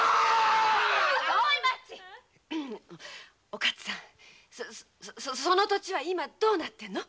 おかつさんその土地は今どうなってるの？